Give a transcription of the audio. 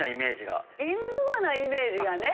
インドアなイメージがね。